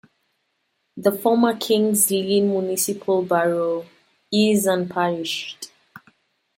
The former King's Lynn Municipal Borough is unparished.